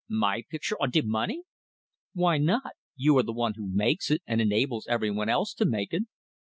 "My picture on de money?" "Why not? You are the one who makes it, and enables everyone else to make it."